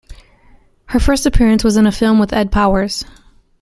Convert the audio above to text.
Her first appearance was in a film with Ed Powers.